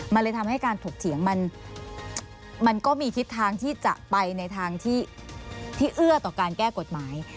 มันเลยทำให้การถกเถียงมันก็มีทิศทางที่จะไปในทางที่เอื้อต่อการแก้กฎหมาย